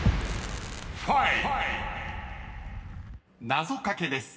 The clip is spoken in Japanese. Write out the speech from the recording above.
［謎掛けです。